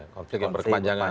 konflik yang berkepanjangan